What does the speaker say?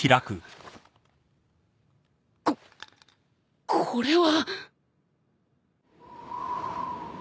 こっこれは。